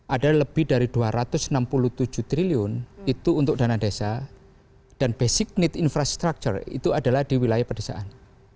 ada lebih dari dua ratus enam puluh tujuh triliun itu untuk dana desa dan basic need infrastructure itu adalah di wilayah pedesaan